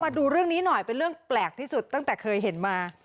มาดูเรื่องนี้หน่อยเป็นเรื่องแปลกที่สุดตั้งแต่เคยเห็นมา